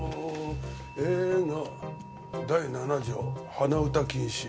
「第七条鼻歌禁止！」